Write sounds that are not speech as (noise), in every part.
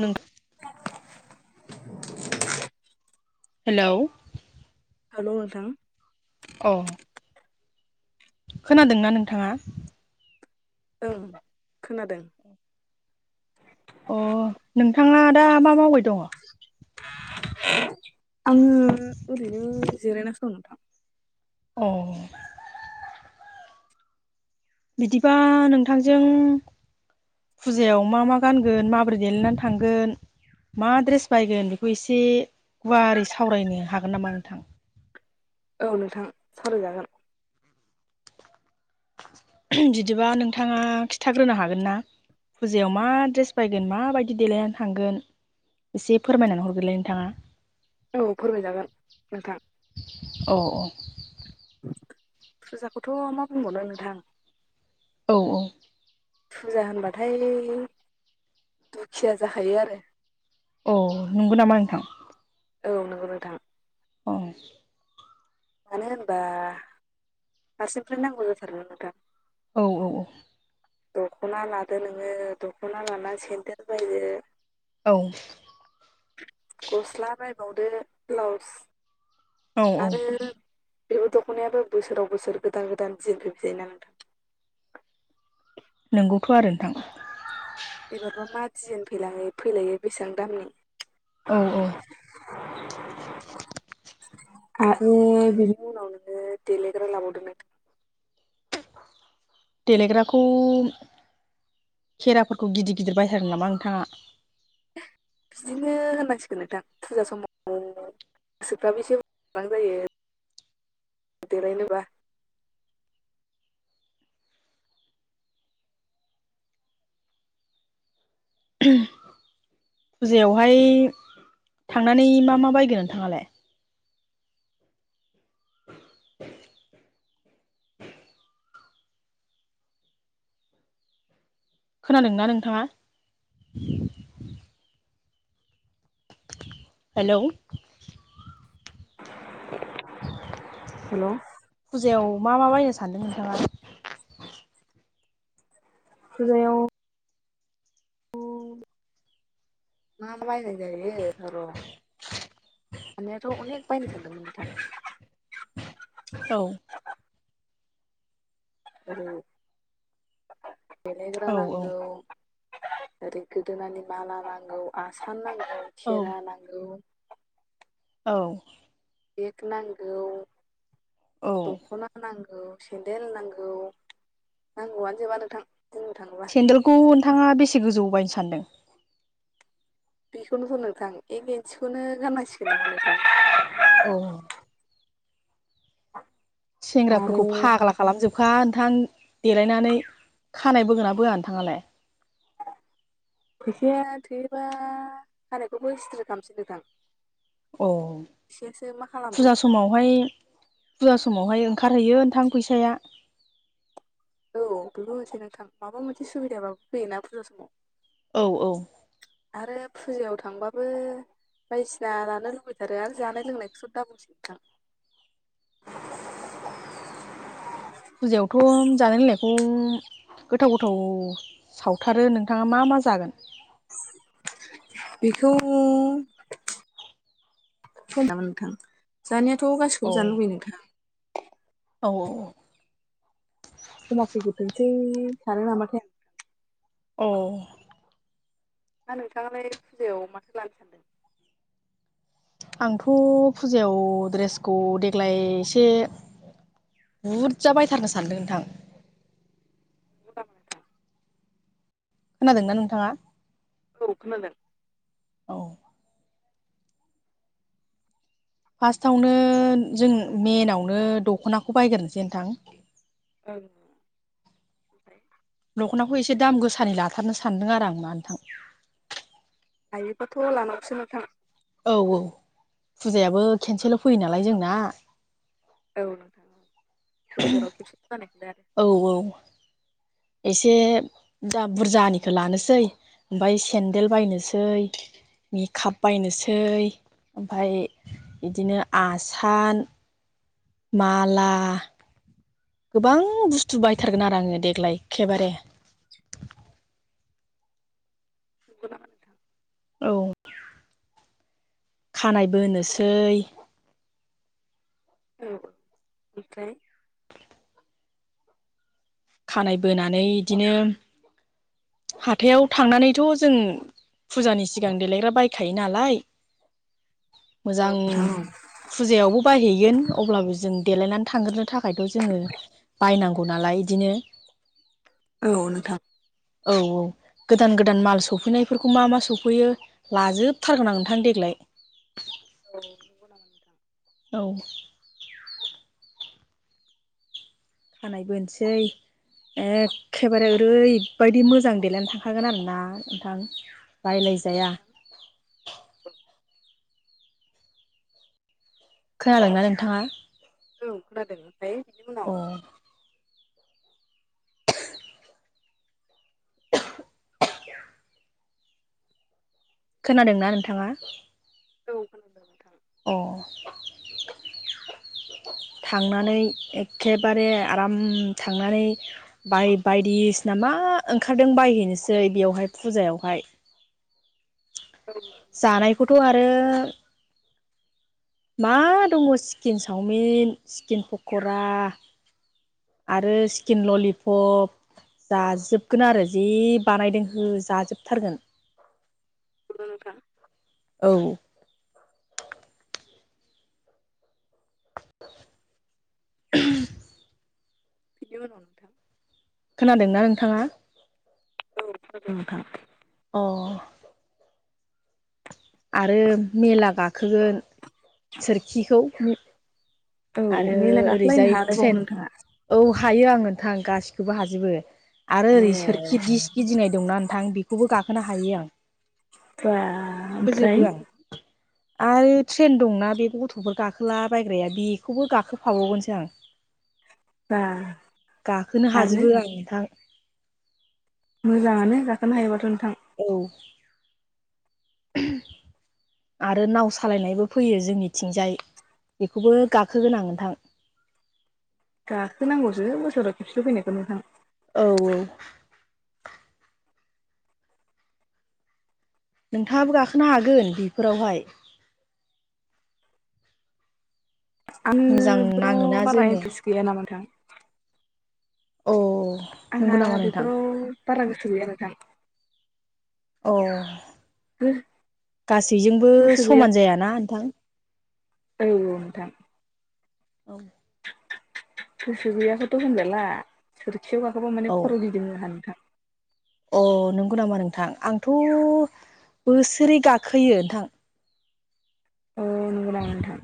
नों हेलौ औ नोंथां अ खोनादोंना नोंथाङा? ओं खोनादों। अ नोंथाङा दा मा मावबाय दङ? आङो ओरैनो जिरायनासो दं नोंथां औ बिदिबा नोंथांजों फुजायाव मा मा गानगोन माबोरै देलायनानै थांगोन? मा ड्रेस बायगोन बेखौ एसे गुवारै सावरायनो हागोन नामा नोंथां? औ नोंथां सावरायजागोन बिदिबा नोंथाङा खिन्थाग्रोनो हागोन ना? फुजायाव मा ड्रेस बायगोन माबायदि देलायनानै थांगोन? एसे फोरमायनानै हरगोरलाय नोंथाङा? औ फोरमायजागोन नोंथां औ फुजाखौथ मा बुंबावनो नोंथां औ औ फुजा होनबाथाय दुखिया जाखायो आरो औ नंगौ नामा नोंथां? औ नंगौ नोंथां अ मानो होनबा फारसेनिफ्राय नांगौ जाथारोना नोंथां औ औ दखना लादो नोङो दखना लानानै सेन्देर बायदो औ गस्ला बायबावदो ब्लाउस औ औ आरो बेबो दखनायाबो बोसोराव बोसोर गोदान गोदान दिजेन फैबाय थायोना नोंथां नंगौथ आरो नोंथां एबारबा मा डिजाइन फैलाय फैलायो बेसेबां दामनि? औ औ आरो बिनि उनाव नोङो देलायग्रा लाबावदो नोंथां देलायग्राखौ खेराफोरखौ गिदिर गिदिर बायथारो नामा नोंथाङा? बिदिनो होननांसिगोन नोंथां फुजा समाव गोसोफ्राबो एसे (unintelligible) जायो देलायनोबा (inaudible) फुजायावहाय थांनानै मा मा बायगोन नोंथाङालाय? खोनादोंना नोंथाङा‌? हेलौ हेल' फुजायाव मा मा बायनो सानदों नोंथांङा? फुजायाव मा बायनाय जायो र साननायाथ' अनेक बायनो सागदोंमोन नोंथां। औ आरो देलायग्रा औ नांगौ। ओरै गोदोनानि माला नांगौ आसान नांगौ औ खेरा नांगौ। औ। बेक नांगौ औ द'खना नांगौ‌। सेन्देल नांगौ नांगौआनो जोबा नोंथां। बुंनो थाङोबा सेन्देलखौ नोंथाङा बेसे गोजौ बायनो सानदों? बेखौनोथ' नोंथां एक एंन्सिखौनो गाननांसिगोन नामा नोंथां। औ। आरो सेंग्राफोरखौ फाग्ला खालामजोब खा नोंथां देलायनानै खानाय बोगोना बोआ नोंथाङालाय? फैसाया थोयोबा खानायखौबो स्ट्रे खालामसै नोंथां। औ फैसायासो मा खालामो फुजा समावहाय फुजा समावहाय ओंखारहैयो नोंथां फैसाया। औ बेबो मोनसेै नोंथां माबा मोनसे सुबिदायाबो फैयोना फुजा समाव। औ औ। आरो फुजायाव थांबाबो बायदिसिना लानो लुबैथारो आरो जानाय लोंनायखौस' दा बुंसै नोंथां। (inaudible) फुजायावथ' जानाय लोंनायखौ गोथाव गोथाव सावथारो नोंथाङा मा मा जागोन? बेखौ फैदामोन नोंथां जानाया थ' औ गासिखौबो जानो लुबैयो नोंथां। औ औ। समाव फैग्रोथोंसै सानो नामा थाय। औ। दा नोंथाङालाय फुजायाव माथो लानो सानदों। आंथ' फुजायाव द्रेसखौ देग्लाय एसे बुरजा बायथारनो सानदों नोंथां।। नंगौ नामा नोंथां खोनादोंना नोंथाङा। औ खोनादों। औ। फार्स्टआवनो जों मेनावनो दखनाखौ बायग्रोसै नोंथां। (unintelligible) दख'नाखौ एसे दाम गोसानि लाथारनो सानदों आरो आं ना नोथां। हायोबाथ' लानावसो नोंथां। औ-औ फुजायाबो केेनसेल' फैयो नालाय जोंना। औ नोंथां औ बोसोराव खेबसे आरो औ औ। एसे दा बुरजानिखौ लानोसै ओमफ्राय सेन्देल बायनोसै। मेकआप बायनोसै ओमफ्राय बिदिनो आसान माला गोबां बुस्थु बायथारगोन आरो आङो देग्लाय एखेबारे। (unintelligible) औ खानाय बोनोसै। औ (unintelligible) खानाय बोनानै इदिनो हाथायाव थांनानैथ' जों फुजानि सिगां देलायग्रा बायखायो नालाय। औ मोजां नोंथां फुजायावबो बायहैगोन। अब्लाबो जों देलायनानै थांग्रोनो थाखायथ' जोङो बायनांगौ नालाय इदिनो औ नोंथां। औ औ गोदान गोदान माल सफैनायफोरखौ मा मा सफैयो लाजोबथारगोन आं नोंथां देग्लाय। (inaudible) औ नंगौ नामा नोंथां। औ। खानाय बोनसै एखे बारे ओरैबायदि मोजां देलायनानै थांखागोन आरोना नोंथां। बायलायजाया (inaudible) खोनादोंना नोंथाङा। औ खोनादों ओमफ्राय बिनि अ उनाव खोनादोंना नोंथाङा। औ खोनादों नोंथां। अ। (inaudible) थांनानै एखेबारे आराम थांनानै बाय बायदिसिना मा ओंखारदों बायहैनोसै बेयावहाय फुजायावहाय। औ नंगौ नामा जानायखौथ' नोंथां आरो मा दङ चिकेन चावमिन चिकेन पक'रा। आरो चिकेन ललिपप। जाजोबगोन आरो जि बानायदों हो जाजोबथारगोन। नंगौ नोंथां। औ (inaudible) बिनि उनाव नोंथां खोनादोंना नोंथाङा। (unintelligible) अ। आरो मेला गाखोगोन सोरखिखौ। औ आरो मेला गाखोलायनो ओरैजाय हालायबावो ट्रेन नोंथाङा औ हायो आं नोंथां गासिखौबो हाजोबो। आरो ओरै ए सोरखि दिस गिदिंनाय दंना नोंथां बेखौबो गाखोनो हायो आं। बा होजोबो ओमफ्राय आं आरो ट्रेन दंना बे गथ'फोर गाखोला बायग्राया बे खौबो गाखोफाबावगोनसो आं। बा गाखोनो आरो हाजोबो आं नोंथां। मोजाङानो गाखोनो हायोबाथ'। नोंथां औ। आरो नाव सालायनायबो फैयो जोंनिथिंजाय बेखौबो गाखोगोन आं नोंथां। (inaudible) गाखोनांगौसो बोसोराव खेबसे' फैनायखौ नोंथां। औ औ। नोंथाङाबो गाखोनो हागोन बेफोरावहाय आं मोजां नाङोना बेफोराव बारा जोङो इन्टारेस्ट गैया नामा नोंथां। अ। नंगौ आंहा नामा नोंथां बेफोराव बारा गोसो गैया नोंथां। अ गासैजोंबो गोसो गैया समान जायाना नोंथां। औ औ नोंथां। औ गोसो गैयाखौथ होनजाला सोरखियाव गाखोबा माने औ खर गिदिङो आंहा नोंथां। अ नंगौ नामा नोंथां आंथ बोसोरे गाखोयो नोंथां। अ नंगौ नामा नोंथां?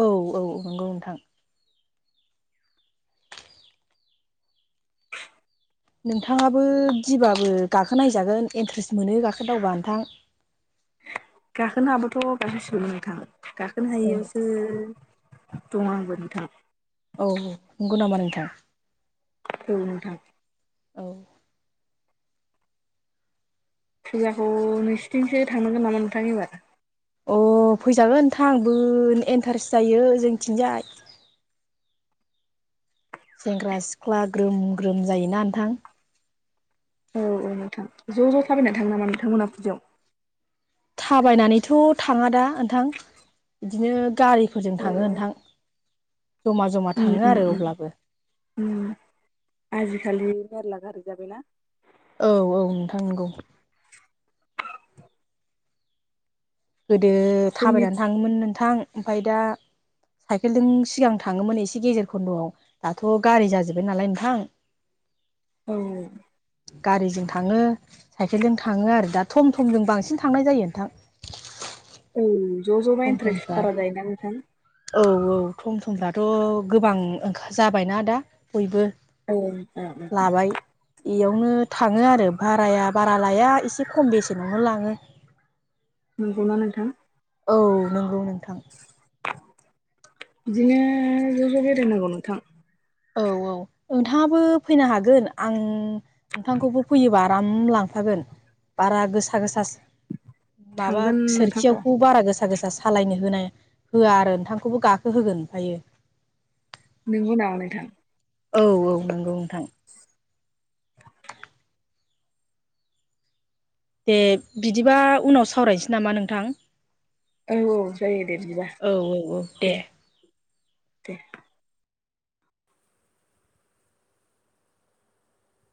औ औ नंगौ नोंथां नोंथाङाबो गिबाबो गाखोनायजागोन इन्ट्रेस्ट मोनो गाखोदावबा नोंथां। (inaudible) गाखोनो हायाबाथ गाखोसिगौलै नोंथां गाखोनो औ हायियावसो दं आंबो नोंथां औ नंगौ नामा नोंथां औ नोंथां औ फुजाखौ नोंसिनिथिंसो थांनांगोन नामा नोंथां एबार? अ फैजागोन नोंथां बो इन्टारेस्ट जायो जोंनिथिंजाय सेंग्रा सिख्ला ग्रोम ग्रोम जायोना नोंथां? औ औ नोंथां ज ज थाबायना थाङो नामा नोंथांमोना फुजायाव? थाबायनानैथ थाङा दा नोंथां बिदिनो गारि फोरजों औ थाङो नोंथां जमा जमा उम थाङो उम आरो उम अब्लाबो उम आजिखालि मेरला गारि जाबायना औ औ नोंथां नंगौ गोदो जोंनि थाबायनानै थाङोमोन नोंथां ओमफ्राय दा साइकेलजों सिगां थाङोमोन एसे गेजेर खन्दआव दाथ गारि जाजोब्बाय नालाय नोंथां (inaudible) औ गारिजों थाङो साइकेलजों थाङो आरो दा थम थमजों बांसिन थांनाय जायो नोंथां औ ज जबा थम इन्ट्रेस्ट थमफ्रा बारा जायोना नोंथां औ औ थम थमफ्राथ गोबां ओंखार जाबायना दा बयबो ओं ओ ओ ओ बेयावनो थाङो आरो भाराया बारा लाया एसे खम बेसेनावनो लाङो। नंगौना नोंथां? औ नंगौ नोंथां बिदिनो ज ज बेरायनांगौ नोंथां औ औ नोंथाङाबो फैनो हागोन आं नोंथांखौबो फैयोबा आराम लां फागोन बारा गोसा गोसा माबा थांगोन नोंथां र' सोरखियावखौ बारा गोसा गोसा गोसा सालायनो होना होआ आरो नोंथांखौबो गाखोहोगोन ओमफायो नंगौ नामा नोंथां? औ औ नंगौ नोंथां दे बिदिबा उनाव सावरायनोसै नामा नोंथां? औ औ जायो दे बिदिबा औ औ औ दे दे